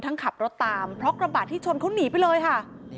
ขับรถตามเพราะกระบาดที่ชนเขาหนีไปเลยค่ะ